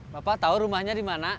bapak tau rumahnya dimana